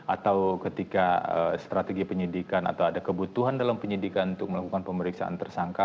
atau ketika strategi penyidikan atau ada kebutuhan dalam penyidikan untuk melakukan pemeriksaan tersangka